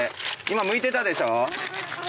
今むいてたでしょ？